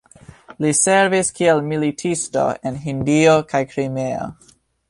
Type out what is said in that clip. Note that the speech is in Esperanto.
Li servis kiel militisto en Hindio kaj Krimeo.